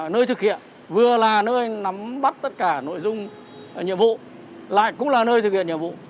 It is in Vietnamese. nơi thực hiện vừa là nơi nắm bắt tất cả nội dung nhiệm vụ lại cũng là nơi thực hiện nhiệm vụ